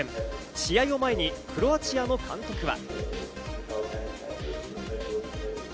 試合を前にクロアチアの監督が。